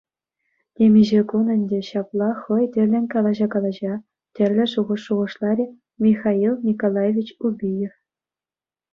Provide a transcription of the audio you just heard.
Темиҫе кун ӗнтӗ ҫапла хӑй тӗллӗн калаҫа-калаҫа тӗрлӗ шухӑш шухӑшларӗ Михаил Николаевич Убиев.